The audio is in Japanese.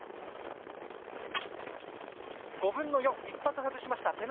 ５分の４、１発外しました。